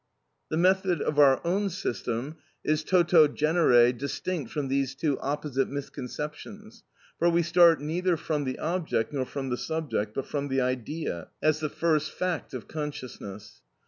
The method of our own system is toto genere distinct from these two opposite misconceptions, for we start neither from the object nor from the subject, but from the idea, as the first fact of consciousness.